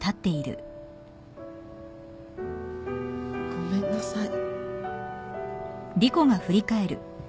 ごめんなさい。